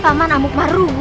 paman amuk marunggu